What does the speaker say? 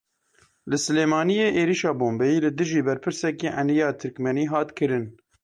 Li Silêmaniyê êrişa bombeyî li dijî berpirsekî Eniya Tirkmenî hat kirin.